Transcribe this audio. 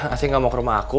asing gak mau ke rumah aku